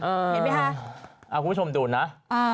เห็นไหมฮะเอาคุณผู้ชมดูนะอ่า